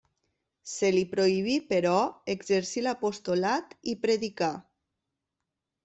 Se li prohibí, però, exercir l'apostolat i predicar.